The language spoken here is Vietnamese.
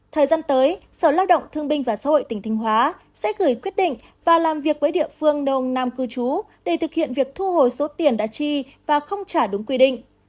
thời gian tới sở lao động thương binh và xã hội tỉnh thanh hóa sẽ gửi quyết định và làm việc với địa phương đông nam cư trú để thực hiện việc thu hồi số tiền đã chi và không trả đúng quy định